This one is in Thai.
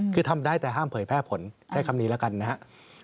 คือทำได้แต่ห้ามเผยแพร่ผลใช้คำนี้แล้วกันนะครับ